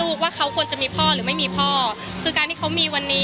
รู้ว่าเขาเปอเหมือนกัน